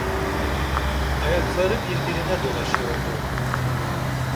Ayakları birbirine dolaşıyordu.